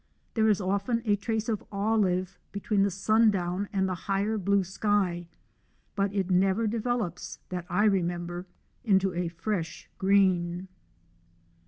There is often a trace of olive between the sundown and the higher blue sk\', but it never develops, that I remember, into a fresh green.